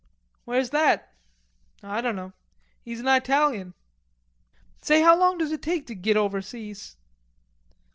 "Where's that?" "I dunno. He's an Eyetalian." "Say, how long does it take to git overseas?"